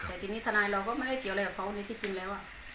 แต่ทีนี้ทนายเราก็ไม่ได้เกี่ยวอะไรกับเขาในที่จริงแล้ว